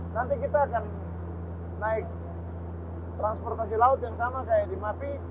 nanti kita akan naik transportasi laut yang sama kayak di mapi